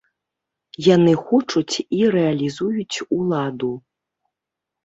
Яны хочуць і рэалізуюць уладу.